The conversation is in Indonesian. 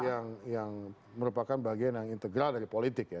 itu kan merupakan bagian yang integral dari politik ya